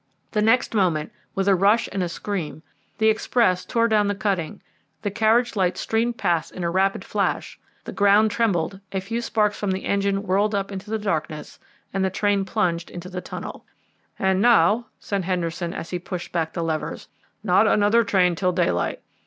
The next moment, with a rush and a scream, the express tore down the cutting, the carriage lights streamed past in a rapid flash, the ground trembled, a few sparks from the engine whirled up into the darkness, and the train plunged into the tunnel. "And now," said Henderson, as he pushed back the levers, "not another train till daylight.